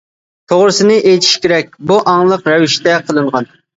توغرىسىنى ئېيتىش كېرەك، بۇ ئاڭلىق رەۋىشتە قىلىنغان.